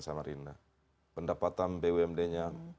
samarinda pendapatan bumd nya